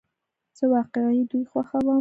زه واقعی دوی خوښوم